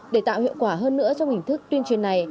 để tạo hiệu quả hơn nữa trong hình thức tuyên truyền này